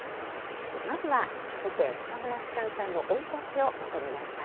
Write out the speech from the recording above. まずは七世中村芝さんの生い立ちをまとめました。